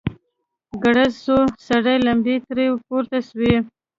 گړز سو سرې لمبې ترې پورته سوې.